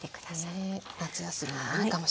夏休みにいいかもしれません。